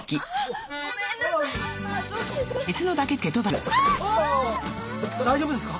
だ大丈夫ですか？